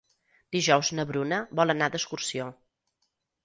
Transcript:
Dijous na Bruna vol anar d'excursió.